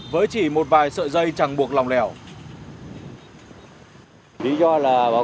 với chỉ một vài sợi dây chẳng buộc lòng lẻo